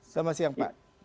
selamat siang pak